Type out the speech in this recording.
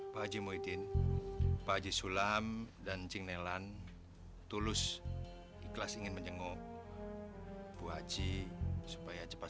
baju muidin baju sulam dan cingnelan tulus ikhlas ingin menyenguh bu aji supaya cepat